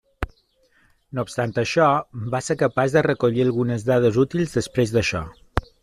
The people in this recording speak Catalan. No obstant això, va ser capaç de recollir algunes dades útils després d'això.